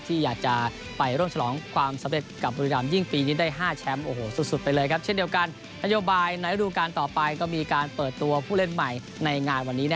ที่อยากจะไปร่วมฉลองความสำเร็จกับบุรีรัมณ์